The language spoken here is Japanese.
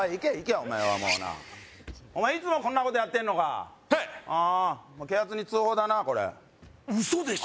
お前はもうなあいつもこんなことやってんのかはい警察に通報だなこれ嘘でしょ